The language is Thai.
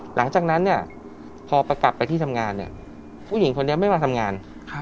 หลังจากนั้นเนี่ยพอกลับไปที่ทำงานเนี่ยผู้หญิงคนนี้ไม่มาทำงาน